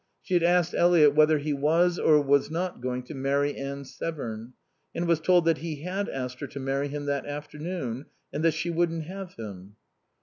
She had asked Eliot whether he was or was not going to marry Anne Severn, and was told that he had asked her to marry him that afternoon and that she wouldn't have him.